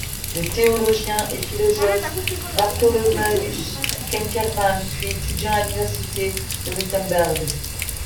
Le théologien et philosophe Bartholomaeus Keckermann fut étudiant à l'université de Wittenberg.